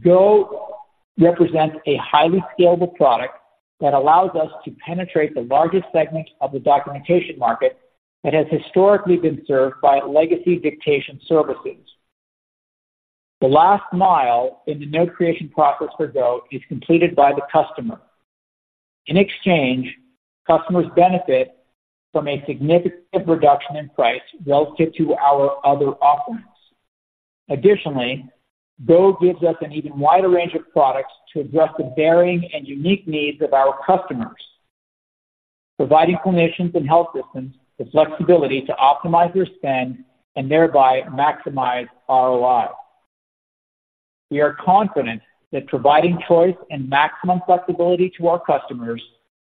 Go represents a highly scalable product that allows us to penetrate the largest segment of the documentation market that has historically been served by legacy dictation services. The last mile in the note creation process for Go is completed by the customer. In exchange, customers benefit from a significant reduction in price relative to our other offerings. Additionally, Go gives us an even wider range of products to address the varying and unique needs of our customers, providing clinicians and health systems the flexibility to optimize their spend and thereby maximize ROI. We are confident that providing choice and maximum flexibility to our customers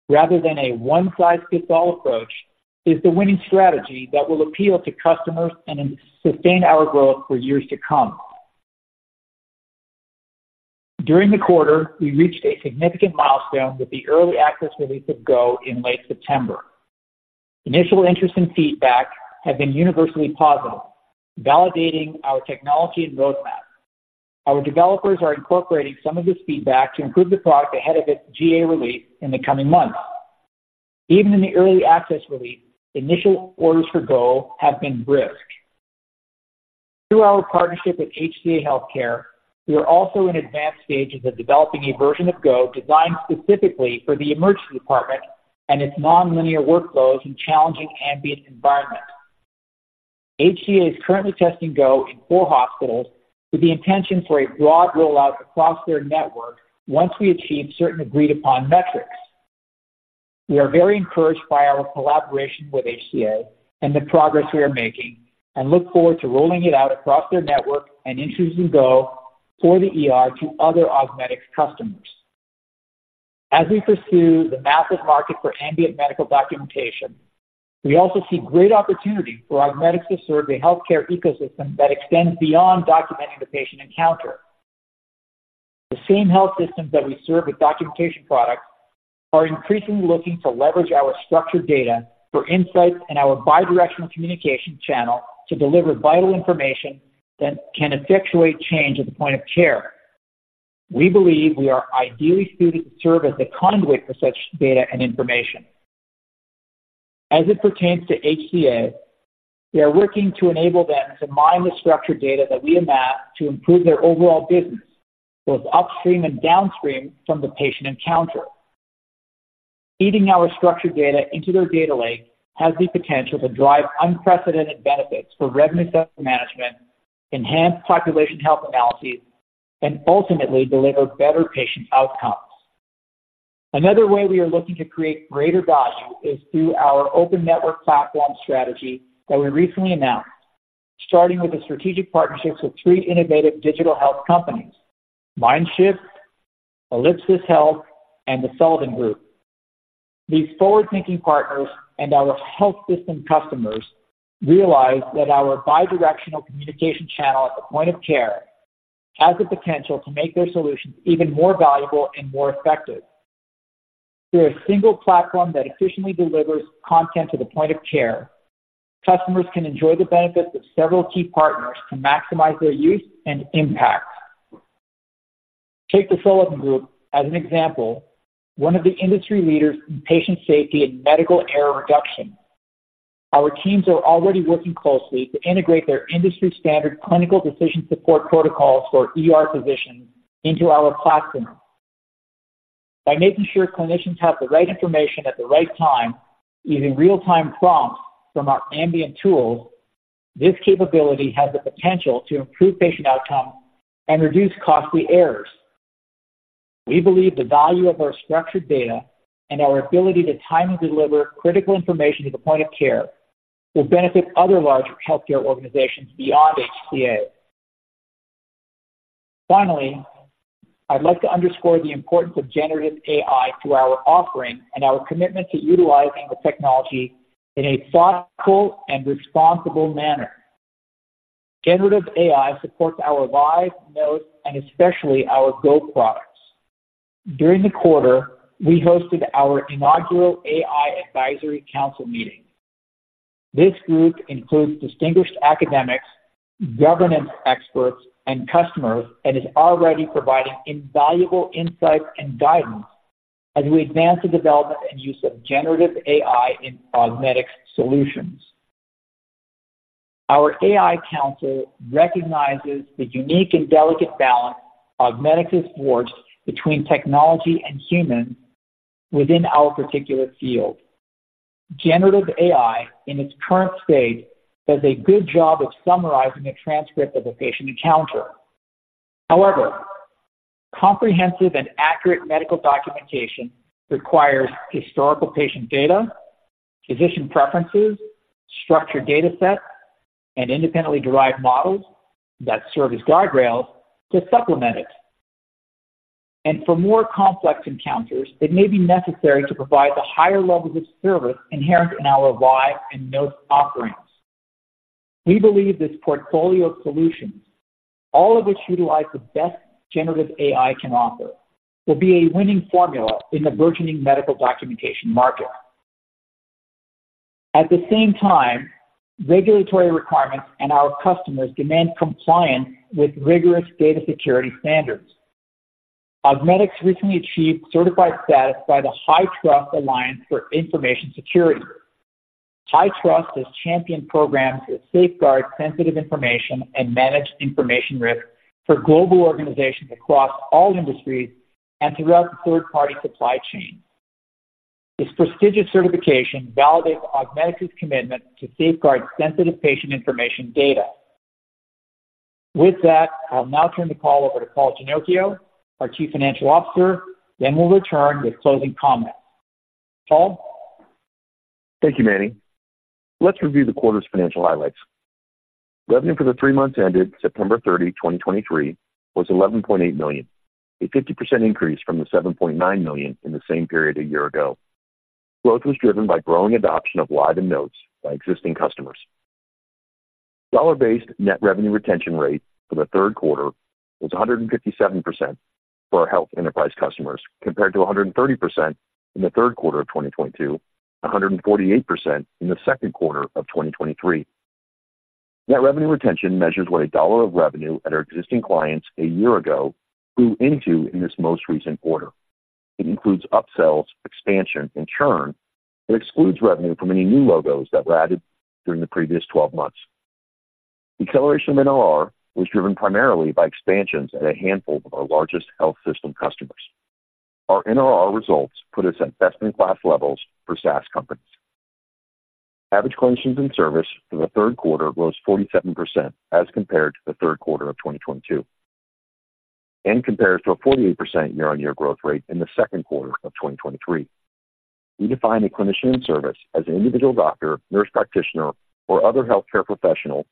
rather than a one-size-fits-all approach, is the winning strategy that will appeal to customers and sustain our growth for years to come. During the quarter, we reached a significant milestone with the early access release of Go in late September. Initial interest and feedback have been universally positive, validating our technology and roadmap. Our developers are incorporating some of this feedback to improve the product ahead of its GA release in the coming months. Even in the early access release, initial orders for Go have been brisk. Through our partnership with HCA Healthcare, we are also in advanced stages of developing a version of Go designed specifically for the emergency department and its nonlinear workflows and challenging ambient environment. HCA is currently testing Go in four hospitals with the intention for a broad rollout across their network once we achieve certain agreed-upon metrics. We are very encouraged by our collaboration with HCA and the progress we are making and look forward to rolling it out across their network and introducing Go for the ER to other Augmedix customers. As we pursue the massive market for ambient medical documentation, we also see great opportunity for Augmedix to serve the healthcare ecosystem that extends beyond documenting the patient encounter. The same health systems that we serve with documentation products are increasingly looking to leverage our structured data for insights and our bidirectional communication channel to deliver vital information that can effectuate change at the point of care. We believe we are ideally suited to serve as a conduit for such data and information. As it pertains to HCA, we are working to enable them to mine the structured data that we amass to improve their overall business, both upstream and downstream from the patient encounter. Feeding our structured data into their data lake has the potential to drive unprecedented benefits for revenue cycle management, enhance population health analyses, and ultimately deliver better patient outcomes. Another way we are looking to create greater value is through our open network platform strategy that we recently announced, starting with the strategic partnerships with three innovative digital health companies: Myndshft, Ellipsis Health, and The Sullivan Group. These forward-thinking partners and our health system customers realize that our bidirectional communication channel at the point of care has the potential to make their solutions even more valuable and more effective. Through a single platform that efficiently delivers content to the point of care, customers can enjoy the benefits of several key partners to maximize their use and impact. Take The Sullivan Group as an example, one of the industry leaders in patient safety and medical error reduction. Our teams are already working closely to integrate their industry-standard clinical decision support protocols for ER physicians into our platform. By making sure clinicians have the right information at the right time, using real-time prompts from our ambient tools, this capability has the potential to improve patient outcomes and reduce costly errors. We believe the value of our structured data and our ability to timely deliver critical information to the point of care will benefit other large healthcare organizations beyond HCA. Finally, I'd like to underscore the importance of generative AI to our offering and our commitment to utilizing the technology in a thoughtful and responsible manner. Generative AI supports our Live, Notes, and especially our Go products. During the quarter, we hosted our inaugural AI Advisory Council meeting. This group includes distinguished academics, governance experts, and customers and is already providing invaluable insights and guidance as we advance the development and use of generative AI in Augmedix solutions. Our AI council recognizes the unique and delicate balance Augmedix has forged between technology and humans within our particular field. Generative AI, in its current state, does a good job of summarizing a transcript of a patient encounter. However, comprehensive and accurate medical documentation requires historical patient data, physician preferences, structured data sets, and independently derived models that serve as guardrails to supplement it. And for more complex encounters, it may be necessary to provide the higher levels of service inherent in our Live and Notes offerings. We believe this portfolio of solutions, all of which utilize the best generative AI can offer, will be a winning formula in the burgeoning medical documentation market. At the same time, regulatory requirements and our customers demand compliance with rigorous data security standards. Augmedix recently achieved certified status by the HITRUST Alliance for Information Security. HITRUST has championed programs that safeguard sensitive information and manage information risk for global organizations across all industries and throughout the third-party supply chain. This prestigious certification validates Augmedix's commitment to safeguard sensitive patient information data. With that, I'll now turn the call over to Paul Ginocchio, our Chief Financial Officer. Then we'll return with closing comments. Paul? Thank you, Manny. Let's review the quarter's financial highlights. Revenue for the three months ended September 30, 2023, was $11.8 million, a 50% increase from the $7.9 million in the same period a year ago. Growth was driven by growing adoption of Live and Notes by existing customers. Dollar-based net revenue retention rate for the third quarter was 157% for our health enterprise customers, compared to 130% in the third quarter of 2022, 148% in the second quarter of 2023. Net revenue retention measures what a dollar of revenue at our existing clients a year ago grew into in this most recent quarter. It includes upsells, expansion, and churn, but excludes revenue from any new logos that were added during the previous twelve months. Acceleration in NRR was driven primarily by expansions at a handful of our largest health system customers. Our NRR results put us at best-in-class levels for SaaS companies. Average clinicians in service for the third quarter rose 47% as compared to the third quarter of 2022, and compares to a 48% year-on-year growth rate in the second quarter of 2023. We define a clinician in service as an individual doctor, nurse practitioner, or other healthcare professional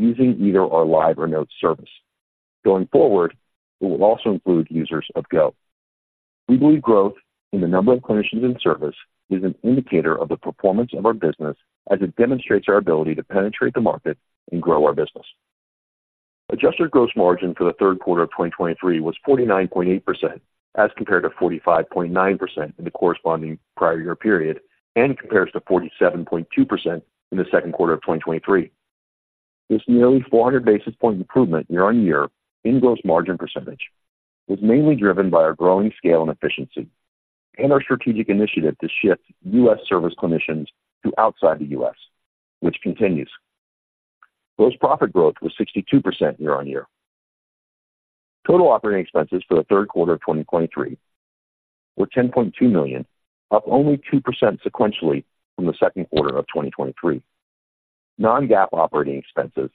using either our Live or Notes service. Going forward, it will also include users of Go. We believe growth in the number of clinicians in service is an indicator of the performance of our business, as it demonstrates our ability to penetrate the market and grow our business. Adjusted gross margin for the third quarter of 2023 was 49.8%, as compared to 45.9% in the corresponding prior year period, and compares to 47.2% in the second quarter of 2023. This nearly 400 basis points improvement year-on-year in gross margin percentage was mainly driven by our growing scale and efficiency and our strategic initiative to shift U.S. service clinicians to outside the U.S., which continues. Gross profit growth was 62% year-on-year. Total operating expenses for the third quarter of 2023 were $10.2 million, up only 2% sequentially from the second quarter of 2023. Non-GAAP operating expenses,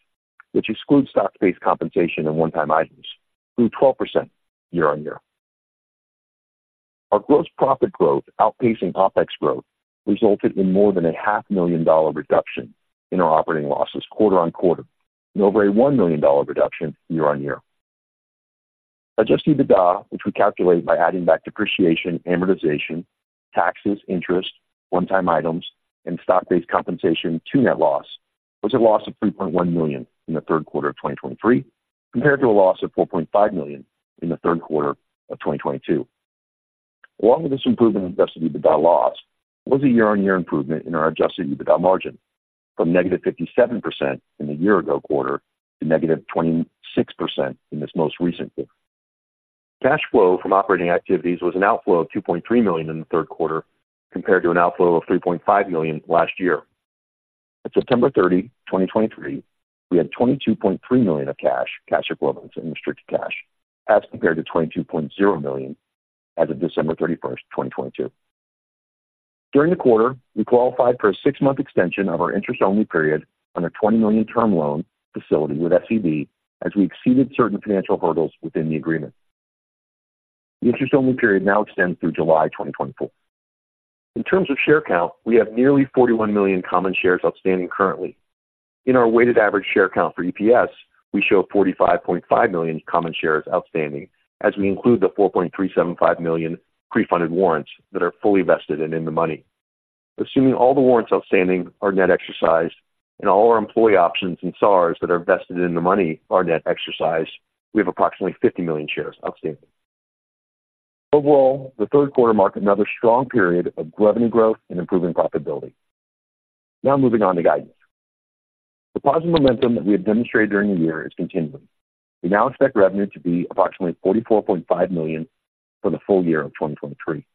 which exclude stock-based compensation and one-time items, grew 12% year-on-year. Our gross profit growth outpacing OpEx growth resulted in more than $500,000 reduction in our operating losses quarter-over-quarter and over $1 million reduction year-over-year. Adjusted EBITDA, which we calculate by adding back depreciation, amortization, taxes, interest, one-time items, and stock-based compensation to net loss, was a loss of $3.1 million in the third quarter of 2023, compared to a loss of $4.5 million in the third quarter of 2022. Along with this improvement in adjusted EBITDA loss was a year-over-year improvement in our adjusted EBITDA margin from -57% in the year-ago quarter to -26% in this most recent quarter. Cash flow from operating activities was an outflow of $2.3 million in the third quarter, compared to an outflow of $3.5 million last year. At September 30, 2023, we had $22.3 million of cash, cash equivalents, and restricted cash, as compared to $22.0 million as of December 31, 2022. During the quarter, we qualified for a six-month extension of our interest-only period on a $20 million term loan facility with SVB, as we exceeded certain financial hurdles within the agreement. The interest-only period now extends through July 2024. In terms of share count, we have nearly 41 million common shares outstanding currently. In our weighted average share count for EPS, we show 45.5 million common shares outstanding, as we include the 4.375 million pre-funded warrants that are fully vested and in the money. Assuming all the warrants outstanding are net exercised and all our employee options and SARs that are vested in the money are net exercised, we have approximately 50 million shares outstanding. Overall, the third quarter marked another strong period of revenue growth and improving profitability. Now moving on to guidance. The positive momentum that we have demonstrated during the year is continuing. We now expect revenue to be approximately $44.5 million for the full year of 2023.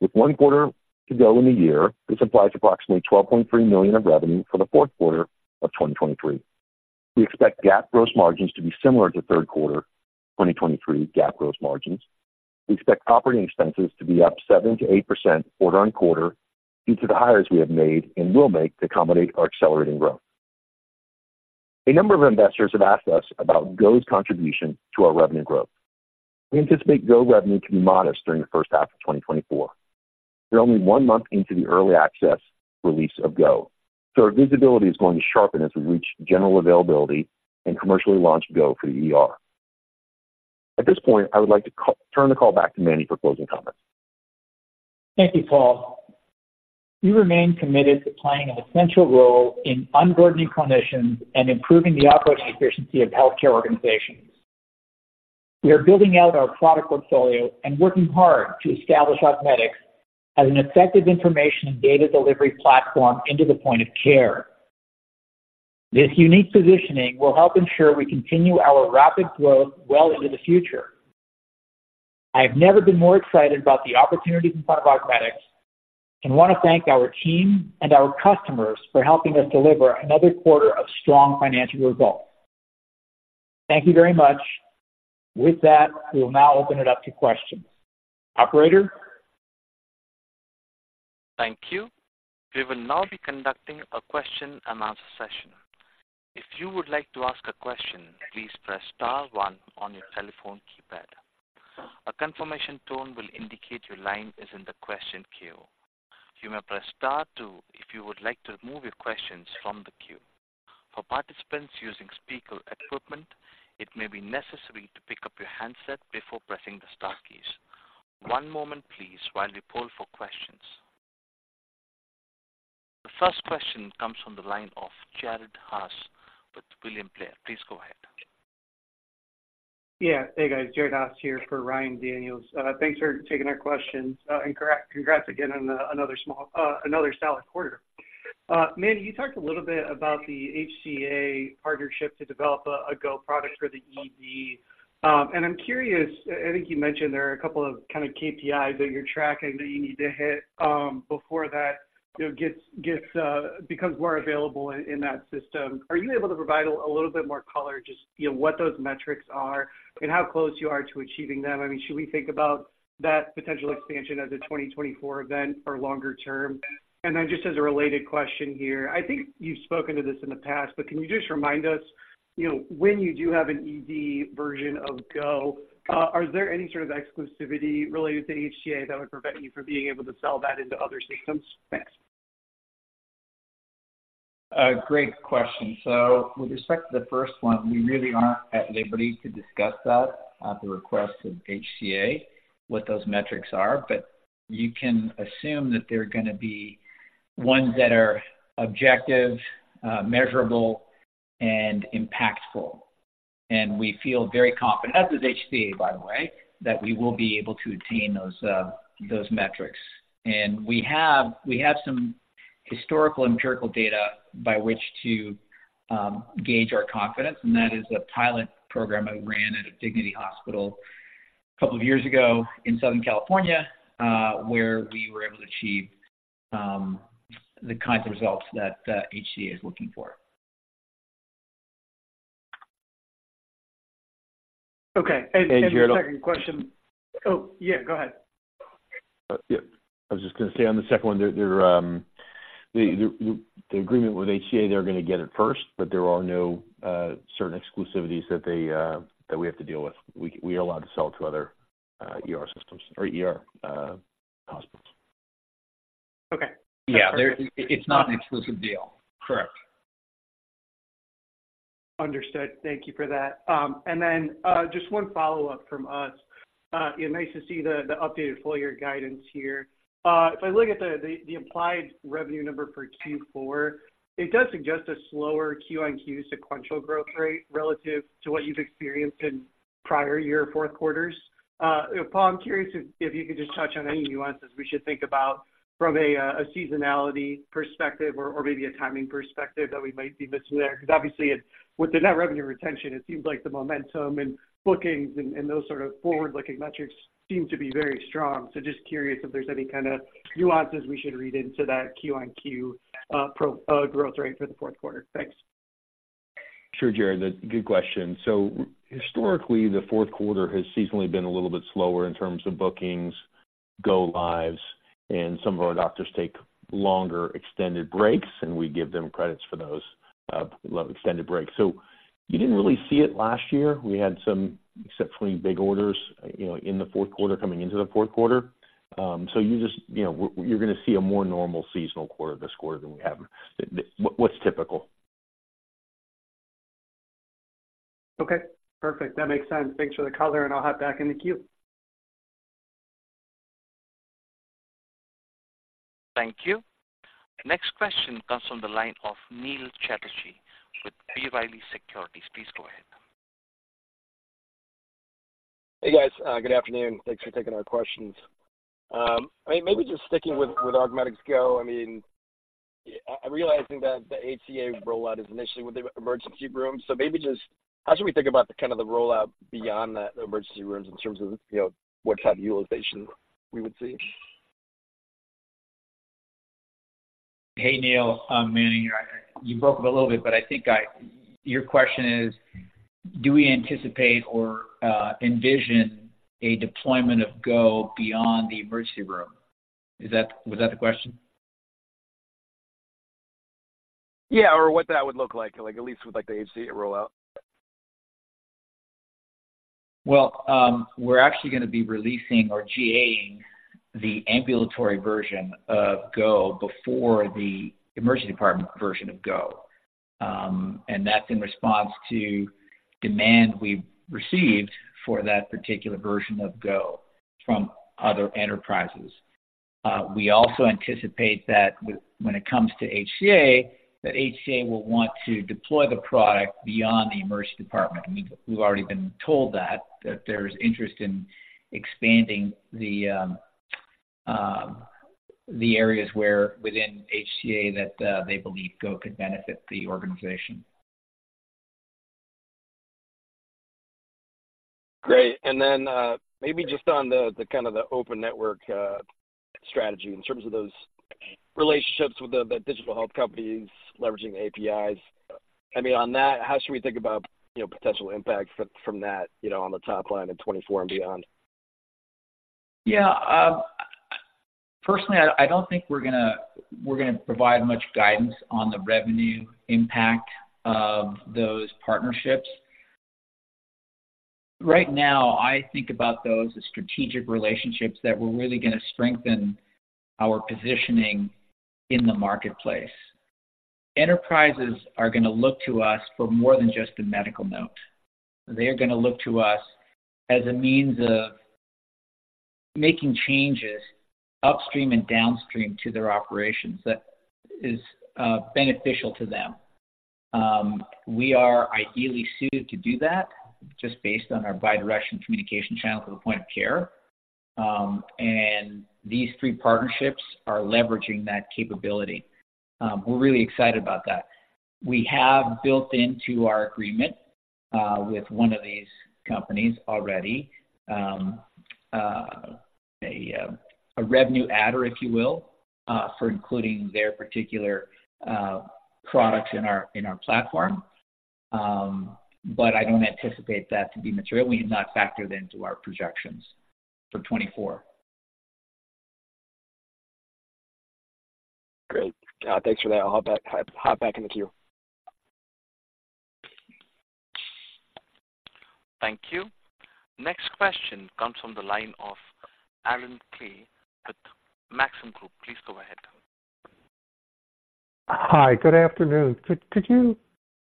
With one quarter to go in the year, this implies approximately $12.3 million of revenue for the fourth quarter of 2023. We expect GAAP gross margins to be similar to third quarter 2023 GAAP gross margins. We expect operating expenses to be up 7%-8% quarter-on-quarter due to the hires we have made and will make to accommodate our accelerating growth. A number of investors have asked us about Go's contribution to our revenue growth. We anticipate Go revenue to be modest during the first half of 2024. We're only one month into the early access release of Go, so our visibility is going to sharpen as we reach general availability and commercially launch Go for the ER. At this point, I would like to turn the call back to Manny for closing comments. Thank you, Paul. We remain committed to playing an essential role in unburdening clinicians and improving the operating efficiency of healthcare organizations. We are building out our product portfolio and working hard to establish Augmedix as an effective information and data delivery platform into the point of care. This unique positioning will help ensure we continue our rapid growth well into the future. I have never been more excited about the opportunities in front of Augmedix, and want to thank our team and our customers for helping us deliver another quarter of strong financial results. Thank you very much. With that, we will now open it up to questions. Operator? Thank you. We will now be conducting a question and answer session. If you would like to ask a question, please press star one on your telephone keypad. A confirmation tone will indicate your line is in the question queue. You may press star two if you would like to remove your questions from the queue. For participants using speaker equipment, it may be necessary to pick up your handset before pressing the star keys. One moment please, while we poll for questions. The first question comes from the line of Jared Haas with William Blair. Please go ahead. Yeah. Hey, guys, Jared Haas here for Ryan Daniels. Thanks for taking our questions, and congrats again on another solid quarter. Manny, you talked a little bit about the HCA partnership to develop a Go product for the ED. And I'm curious, I think you mentioned there are a couple of kind of KPIs that you're tracking that you need to hit before that, you know, gets becomes more available in that system. Are you able to provide a little bit more color, just, you know, what those metrics are and how close you are to achieving them? I mean, should we think about that potential expansion as a 2024 event or longer term? Just as a related question here, I think you've spoken to this in the past, but can you just remind us, you know, when you do have an ED version of Go, are there any sort of exclusivity related to HCA that would prevent you from being able to sell that into other systems? Thanks. Great question. So with respect to the first one, we really aren't at liberty to discuss that, at the request of HCA, what those metrics are. But you can assume that they're gonna be ones that are objective, measurable, and impactful. And we feel very confident, as does HCA, by the way, that we will be able to attain those, those metrics. And we have, we have some historical empirical data by which to gauge our confidence, and that is a pilot program I ran at a Dignity Hospital a couple of years ago in Southern California, where we were able to achieve the kinds of results that HCA is looking for. Okay. Hey, Jared- The second question- Oh, yeah, go ahead. Yeah, I was just gonna say on the second one, the agreement with HCA, they're gonna get it first, but there are no certain exclusivities that we have to deal with. We are allowed to sell to other ER systems or ER hospitals. Okay. Yeah, it's not an exclusive deal. Correct. Understood. Thank you for that. And then, just one follow-up from us. You know, nice to see the updated full year guidance here. If I look at the implied revenue number for Q4, it does suggest a slower QoQ sequential growth rate relative to what you've experienced in prior year fourth quarters. Paul, I'm curious if you could just touch on any nuances we should think about from a seasonality perspective or maybe a timing perspective that we might be missing there. Because obviously, with the net revenue retention, it seems like the momentum and bookings and those sort of forward-looking metrics seem to be very strong. So just curious if there's any kind of nuances we should read into that QoQ growth rate for the fourth quarter. Thanks. Sure, Jared, that's a good question. So historically, the fourth quarter has seasonally been a little bit slower in terms of bookings, go lives, and some of our doctors take longer extended breaks, and we give them credits for those extended breaks. So you didn't really see it last year. We had some exceptionally big orders, you know, in the fourth quarter, coming into the fourth quarter. So you just, you know, you're gonna see a more normal seasonal quarter this quarter than we have... what's typical. Okay, perfect. That makes sense. Thanks for the color, and I'll hop back in the queue. Thank you. Next question comes from the line of Neil Chatterji with B. Riley Securities. Please go ahead. Hey, guys, good afternoon. Thanks for taking our questions. I mean, maybe just sticking with, with Augmedix Go, I mean, realizing that the HCA rollout is initially with the emergency room. So maybe just how should we think about the kind of the rollout beyond that, the emergency rooms, in terms of, you know, what type of utilization we would see? Hey, Neil, Manny, you broke up a little bit, but I think your question is, do we anticipate or envision a deployment of Go beyond the emergency room? Is that, was that the question? Yeah, or what that would look like, like at least with, like, the HCA rollout. Well, we're actually gonna be releasing or GA-ing the ambulatory version of Go before the emergency department version of Go. And that's in response to demand we've received for that particular version of Go from other enterprises. We also anticipate that when it comes to HCA, that HCA will want to deploy the product beyond the emergency department. I mean, we've already been told that there's interest in expanding the areas where within HCA that they believe Go could benefit the organization. Great. And then, maybe just on the kind of the open network strategy in terms of those relationships with the digital health companies leveraging APIs. I mean, on that, how should we think about, you know, potential impact from that, you know, on the top line in 2024 and beyond? Yeah, personally, I don't think we're gonna provide much guidance on the revenue impact of those partnerships. Right now, I think about those as strategic relationships that we're really gonna strengthen our positioning in the marketplace. Enterprises are gonna look to us for more than just a medical note. They're gonna look to us as a means of making changes upstream and downstream to their operations that is beneficial to them. We are ideally suited to do that just based on our bidirectional communication channel to the point of care. And these three partnerships are leveraging that capability. We're really excited about that. We have built into our agreement with one of these companies already a revenue adder, if you will, for including their particular products in our platform. I don't anticipate that to be material. We have not factored into our projections for 2024. Great. Thanks for that. I'll hop back, hop back in the queue. Thank you. Next question comes from the line of Allen Klee at Maxim Group. Please go ahead. Hi, good afternoon. Could you,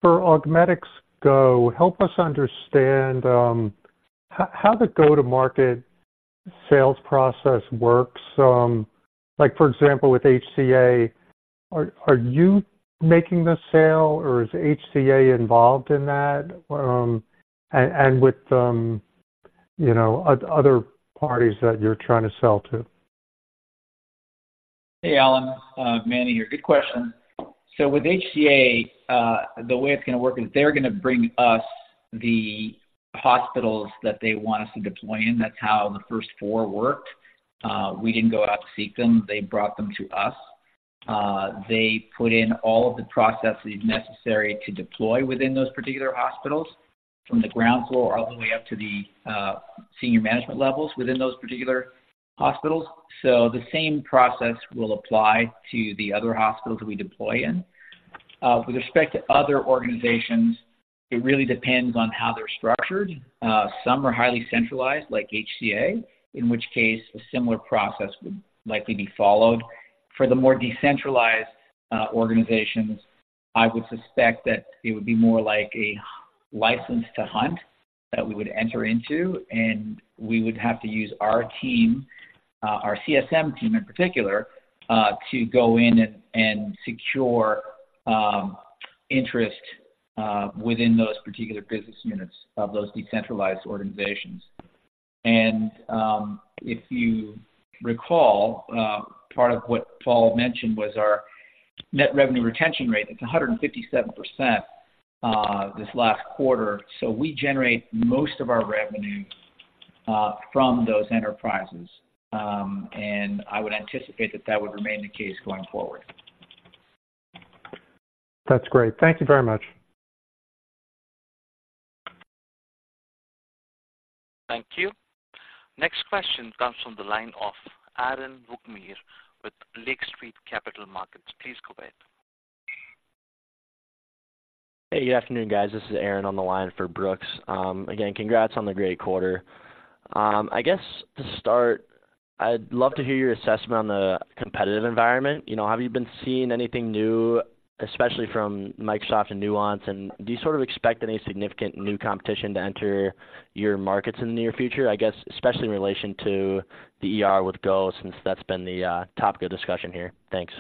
for Augmedix Go, help us understand how the go-to-market sales process works? Like for example, with HCA, are you making the sale or is HCA involved in that? And with, you know, other parties that you're trying to sell to? Hey, Alan, Manny here. Good question. So with HCA, the way it's gonna work is they're gonna bring us the hospitals that they want us to deploy in. That's how the first four worked. We didn't go out to seek them. They brought them to us. They put in all of the processes necessary to deploy within those particular hospitals, from the ground floor all the way up to the senior management levels within those particular hospitals. So the same process will apply to the other hospitals we deploy in. With respect to other organizations, it really depends on how they're structured. Some are highly centralized, like HCA, in which case a similar process would likely be followed. For the more decentralized organizations, I would suspect that it would be more like a license to hunt that we would enter into, and we would have to use our team, our CSM team in particular, to go in and secure interest within those particular business units of those decentralized organizations. And if you recall, part of what Paul mentioned was our net revenue retention rate. It's 157% this last quarter. So we generate most of our revenue from those enterprises. And I would anticipate that that would remain the case going forward. That's great. Thank you very much. Thank you. Next question comes from the line of Aaron Vukmir with Lake Street Capital Markets. Please go ahead. Hey, good afternoon, guys. This is Aaron on the line for Brooks. Again, congrats on the great quarter. I guess to start, I'd love to hear your assessment on the competitive environment. You know, have you been seeing anything new, especially from Microsoft and Nuance? And do you sort of expect any significant new competition to enter your markets in the near future? I guess, especially in relation to the ER with Go, since that's been the topic of discussion here. Thanks.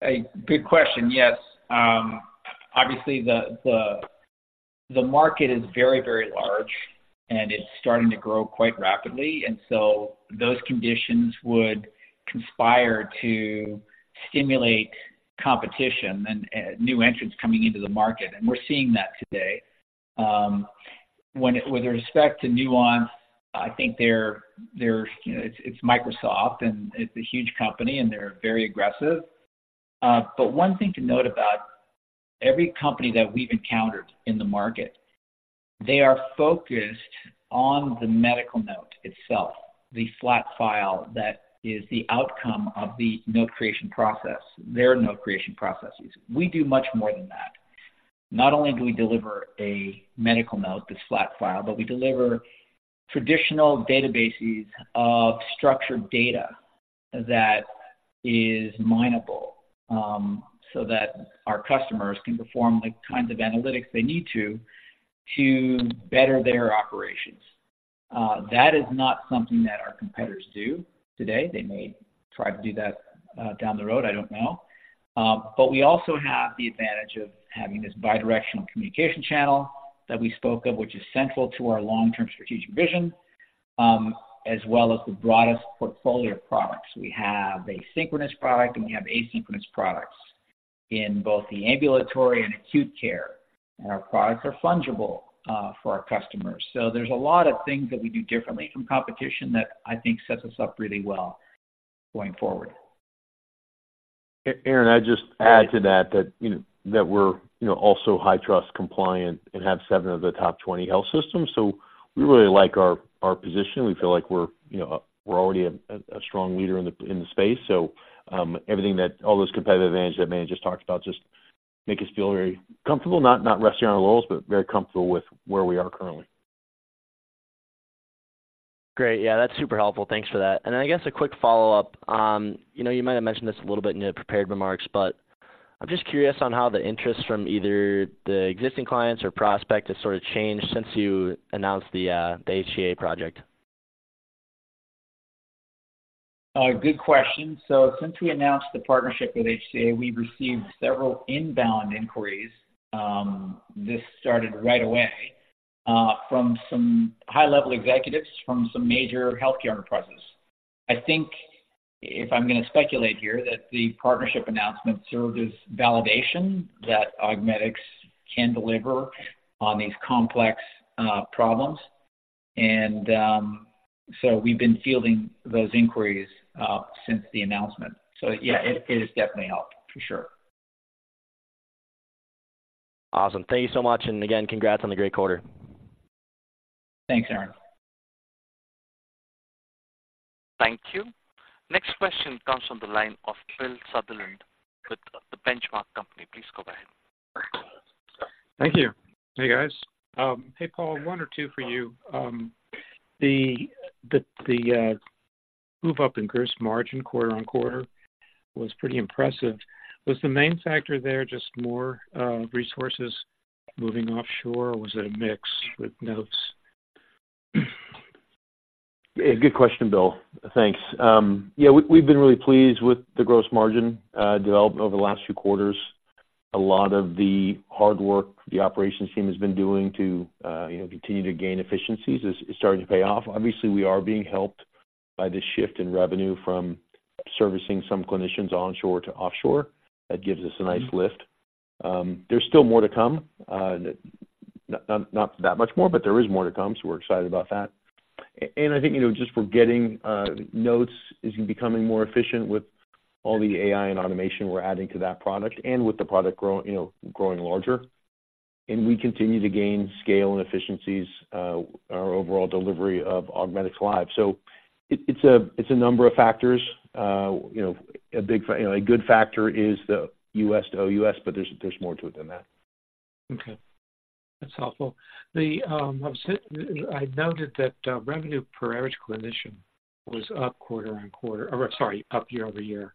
Hey, good question. Yes, obviously, the market is very, very large, and it's starting to grow quite rapidly, and so those conditions would conspire to stimulate competition and new entrants coming into the market, and we're seeing that today. With respect to Nuance, I think they're, you know, it's Microsoft, and it's a huge company, and they're very aggressive. But one thing to note about every company that we've encountered in the market, they are focused on the medical note itself, the flat file that is the outcome of the note creation process, their note creation processes. We do much more than that. Not only do we deliver a medical note, this flat file, but we deliver traditional databases of structured data. that is mineable, so that our customers can perform the kinds of analytics they need to, to better their operations. That is not something that our competitors do today. They may try to do that, down the road, I don't know. But we also have the advantage of having this Bidirectional Communication Channel that we spoke of, which is central to our long-term strategic vision, as well as the broadest portfolio of products. We have a synchronous product, and we have asynchronous products in both the ambulatory and acute care, and our products are fungible, for our customers. So there's a lot of things that we do differently from competition that I think sets us up really well going forward. Aaron, I'd just add to that, that, you know, that we're, you know, also HITRUST compliant and have seven of the top 20 health systems. So we really like our, our position. We feel like we're, you know, we're already a, a strong leader in the, in the space. So, everything that all those competitive advantage that Manny just talked about just make us feel very comfortable, not, not resting on our laurels, but very comfortable with where we are currently. Great. Yeah, that's super helpful. Thanks for that. I guess a quick follow-up. You know, you might have mentioned this a little bit in the prepared remarks, but I'm just curious on how the interest from either the existing clients or prospect has sort of changed since you announced the, the HCA project. Good question. So since we announced the partnership with HCA, we've received several inbound inquiries, this started right away, from some high-level executives from some major healthcare enterprises. I think if I'm gonna speculate here, that the partnership announcement served as validation that Augmedix can deliver on these complex problems. So we've been fielding those inquiries, since the announcement. So yeah, it has definitely helped, for sure. Awesome. Thank you so much, and again, congrats on the great quarter. Thanks, Aaron. Thank you. Next question comes from the line of Bill Sutherland with The Benchmark Company. Please go ahead. Thank you. Hey, guys. Hey, Paul, one or two for you. The move up in gross margin quarter-over-quarter was pretty impressive. Was the main factor there, just more resources moving offshore, or was it a mix with notes? Yeah, good question, Bill. Thanks. Yeah, we've been really pleased with the gross margin development over the last few quarters. A lot of the hard work the operations team has been doing to, you know, continue to gain efficiencies is starting to pay off. Obviously, we are being helped by this shift in revenue from servicing some clinicians onshore to offshore. That gives us a nice lift. There's still more to come, not that much more, but there is more to come, so we're excited about that. And I think, you know, just we're getting, Notes is becoming more efficient with all the AI and automation we're adding to that product and with the product grow, you know, growing larger. And we continue to gain scale and efficiencies, our overall delivery of Augmedix Live. So it's a number of factors. You know, a big factor is the U.S. to OUS, but there's more to it than that. Okay. That's helpful. I was saying I noted that revenue per average clinician was up quarter-over-quarter, or sorry, up year-over-year.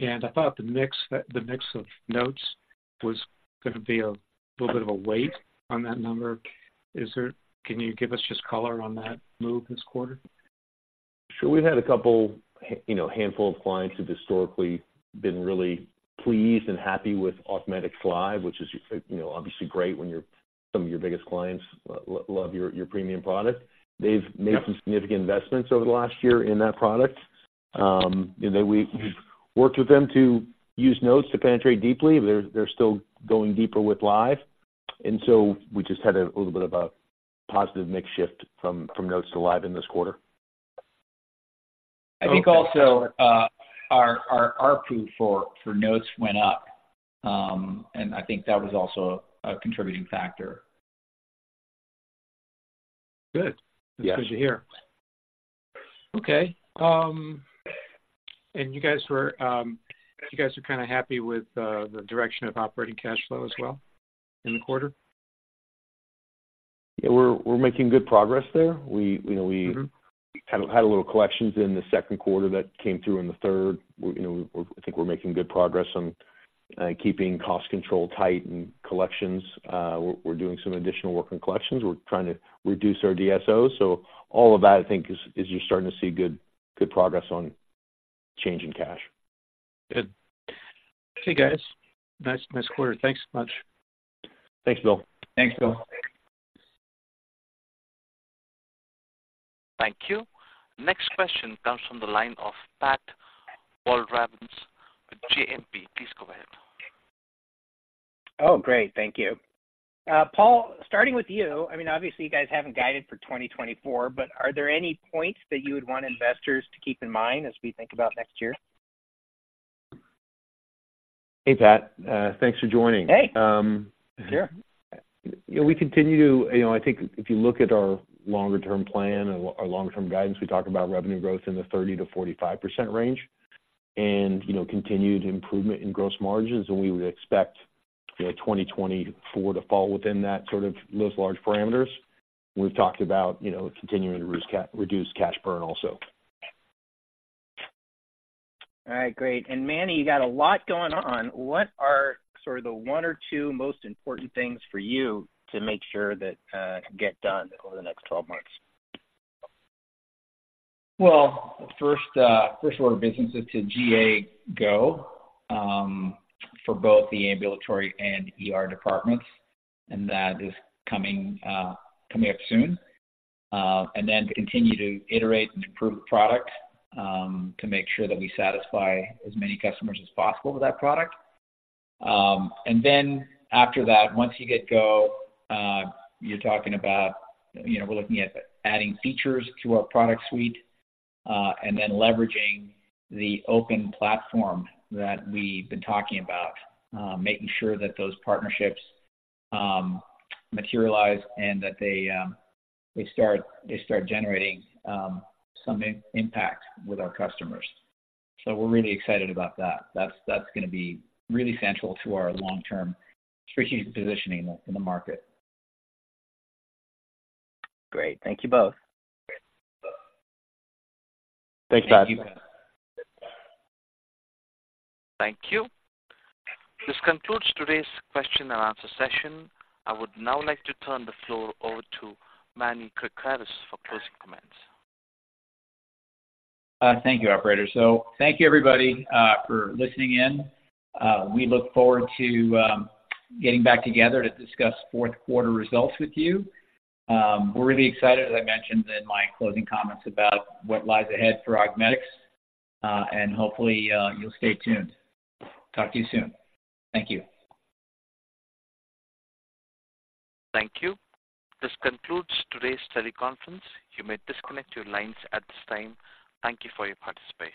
And I thought the mix, the mix of notes was gonna be a little bit of a weight on that number. Can you give us just color on that move this quarter? Sure. We've had a couple, you know, handful of clients who've historically been really pleased and happy with Augmedix Live, which is, you know, obviously great when some of your biggest clients love your premium product. Yeah. They've made some significant investments over the last year in that product. You know, we've worked with them to use Notes to penetrate deeply. They're still going deeper with Live, and so we just had a little bit of a positive mix shift from Notes to Live in this quarter. I think also, our proof for Notes went up, and I think that was also a contributing factor. Good. Yes. That's good to hear. Okay, and you guys are kinda happy with the direction of operating cash flow as well in the quarter? Yeah, we're making good progress there. We, you know, we- Mm-hmm ...kind of had a little collections in the second quarter that came through in the third. We, you know, we're, I think we're making good progress on keeping cost control tight and collections. We're doing some additional work on collections. We're trying to reduce our DSOs. So all of that, I think, is you're starting to see good progress on change in cash. Good. Okay, guys. Nice, nice quarter. Thanks so much. Thanks, Bill. Thanks, Bill. Thank you. Next question comes from the line of Pat Walravens with JMP. Please go ahead. Oh, great. Thank you. Paul, starting with you. I mean, obviously, you guys haven't guided for 2024, but are there any points that you would want investors to keep in mind as we think about next year? Hey, Pat, thanks for joining. Hey! Um- Sure. You know, we continue to... You know, I think if you look at our longer-term plan and our long-term guidance, we talk about revenue growth in the 30%-45% range.... and, you know, continued improvement in gross margins, and we would expect, you know, 2024 to fall within that sort of those large parameters. We've talked about, you know, continuing to reduce cash burn also. All right, great. Manny, you got a lot going on. What are sort of the one or two most important things for you to make sure that get done over the next twelve months? Well, the first, first order of business is to GA Go for both the ambulatory and ER departments, and that is coming up soon. And then to continue to iterate and improve the product to make sure that we satisfy as many customers as possible with that product. And then after that, once you get Go, you're talking about, you know, we're looking at adding features to our product suite, and then leveraging the open platform that we've been talking about. Making sure that those partnerships materialize and that they start generating some impact with our customers. So we're really excited about that. That's gonna be really central to our long-term strategic positioning in the market. Great. Thank you both. Thanks, Patrick. Thank you. Thank you. This concludes today's question and answer session. I would now like to turn the floor over to Manny Krakaris for closing comments. Thank you, operator. Thank you, everybody, for listening in. We look forward to getting back together to discuss fourth quarter results with you. We're really excited, as I mentioned in my closing comments, about what lies ahead for Augmedix, and hopefully, you'll stay tuned. Talk to you soon. Thank you. Thank you. This concludes today's teleconference. You may disconnect your lines at this time. Thank you for your participation.